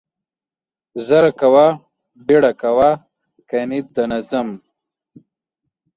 زر کاوه, بيړه کاوه کني ده نه ځم.